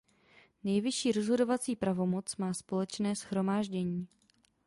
Nejvyšší rozhodovací pravomoc má Společné shromáždění.